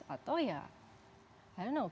atau ya i don't know